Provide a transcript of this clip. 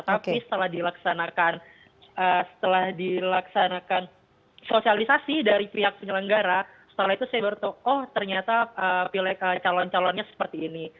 tapi setelah dilaksanakan setelah dilaksanakan sosialisasi dari pihak penyelenggara setelah itu saya bertokoh ternyata pilih calon calonnya seperti ini